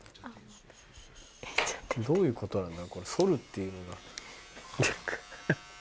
どういうことなんだこれ剃るっていうのが。